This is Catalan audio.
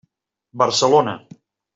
Barcelona.